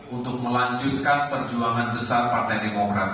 untuk melanjutkan perjuangan besar partai demokrat